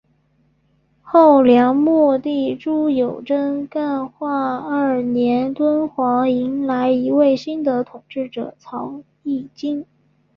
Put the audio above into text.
后梁末帝朱友贞干化二年敦煌迎来一位新的统治者曹议金。